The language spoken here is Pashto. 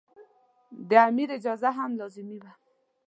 د امیر اجازه هم لازمي وه.